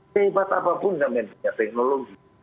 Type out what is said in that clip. kehebatan apapun sampai dikatakan teknologi